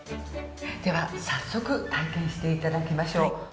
では早速体験していただきましょう。